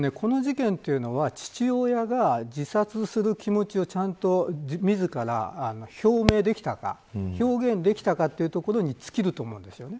要はこの事件というのは父親が自殺する気持ちをちゃんと自ら表明できたか表現できたかというところに尽きると思うんです。